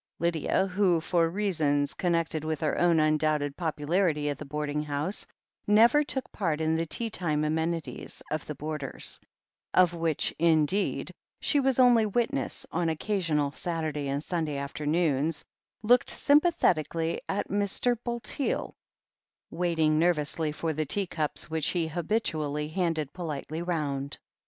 Lydia, who, for reasons connected with her own undoubted popularity at the boarding house, never took part in the tea time amenities of the boarders — of which, indeed, she was only witness on occasional Sat urday and Sunday afternoons — ^looked sympathetically at Mr. Bulteel, waiting nervously for the teacups which he habitually handed politely round.